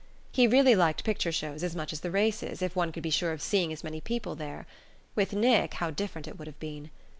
He really liked picture shows as much as the races, if one could be sure of seeing as many people there. With Nick how different it would have been!